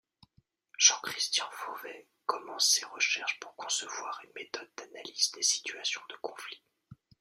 Jean-Christian Fauvet commence ses recherches pour concevoir une méthode d’analyse des situations de conflit.